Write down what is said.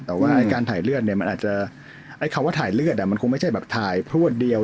แต่ว่าการถ่ายเลือดคำว่าถ่ายเลือดมันคงไม่ใช่แบบถ่ายพรวดเดียว